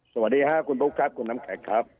สวัสดีค่ะคุณบุ๊คครับคุณน้ำแข็งครับ